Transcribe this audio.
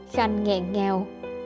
khanh nghẹn nghèo